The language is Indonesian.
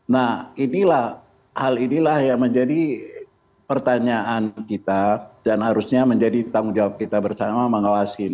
nah inilah hal inilah yang menjadi pertanyaan kita dan harusnya menjadi tanggung jawab kita bersama mengawasi